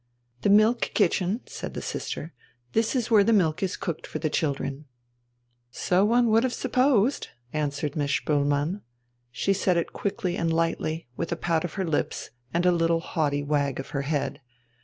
"The milk kitchen," said the sister; "this is where the milk is cooked for the children." "So one would have supposed," answered Miss Spoelmann. She said it quickly and lightly, with a pout of her lips and a little haughty wag of her head.